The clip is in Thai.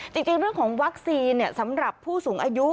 จริงเรื่องของวัคซีนสำหรับผู้สูงอายุ